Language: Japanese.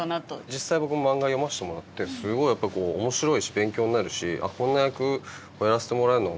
実際僕もマンガ読ませてもらってすごいやっぱ面白いし勉強になるしこんな役をやらせてもらえるのは本当にうれしいなと。